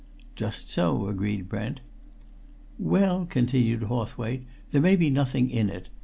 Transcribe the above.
"Just so," agreed Brent. "Well," continued Hawthwaite, "there may be nothing in it.